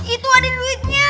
itu ada duitnya